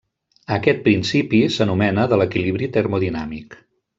A aquest principi s'anomena de l'equilibri termodinàmic.